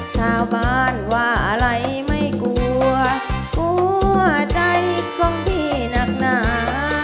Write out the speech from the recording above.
ชาวบ้านว่าอะไรไม่กลัวกลัวใจของพี่หนักหนา